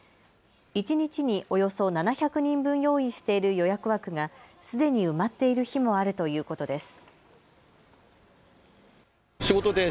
一日におよそ７００人分用意している予約枠がすでに埋まっている日もあるということです。